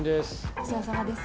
お世話さまです。